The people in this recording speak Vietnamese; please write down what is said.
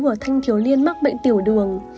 của thanh thiếu liên mắc bệnh tiểu đường